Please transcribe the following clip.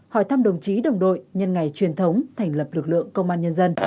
hỏi thăm đồng chí đồng đội nhân ngày truyền thống thành lập lực lượng công an nhân dân